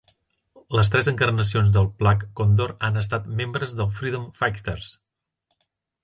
Les tres encarnacions de Black Condor han estat membres de Freedom Fighters.